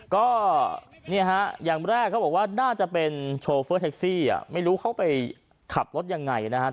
ก็เนี่ยฮะอย่างแรกเขาบอกว่าน่าจะเป็นโชเฟอร์แท็กซี่ไม่รู้เขาไปขับรถยังไงนะครับ